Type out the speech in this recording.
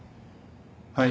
はい。